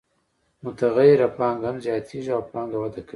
متغیره پانګه هم زیاتېږي او پانګه وده کوي